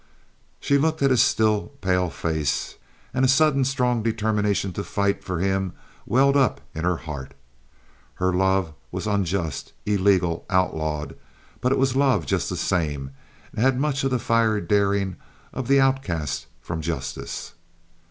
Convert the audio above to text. She looked at his still, pale face, and a sudden strong determination to fight for him welled up in her heart. Her love was unjust, illegal, outlawed; but it was love, just the same, and had much of the fiery daring of the outcast from justice.